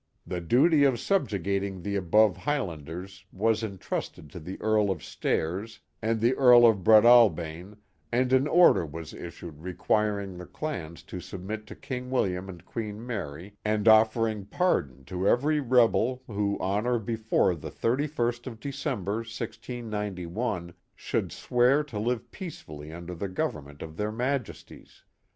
The duty of subjugating the above Highlanders was intrusted to the Earl of Stairs and the Earl of Breadalbane and an order was issued requiring the clans to submit to King William and Queen Mary, and offering pardon to every rebel who on or before the thirty first of December, 169 1, should swear to live peacefully under the government of their majesties.